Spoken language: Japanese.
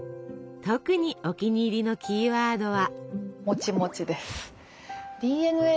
特にお気に入りのキーワードは。